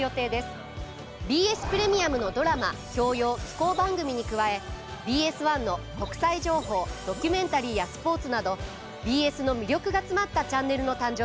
ＢＳプレミアムのドラマ教養紀行番組に加えＢＳ１の国際情報ドキュメンタリーやスポーツなどＢＳの魅力が詰まったチャンネルの誕生です。